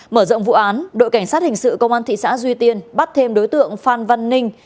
mở rộng vụ án đội cảnh sát hình sự công an thị xã duy tiên bắt thêm đối tượng phan văn ninh